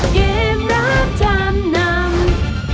เกมรับจำนำ